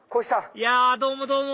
いやどうもどうも！